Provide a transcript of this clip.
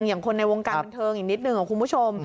อย่างคนในวงการบันเทิงอีกนิดนึงคุณผู้ชม